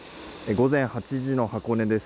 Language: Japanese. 午前８時の箱根です。